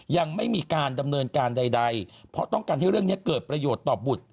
ยังไม่มีการดำเนินการใดเพราะต้องการให้เรื่องนี้เกิดประโยชน์ต่อบุตร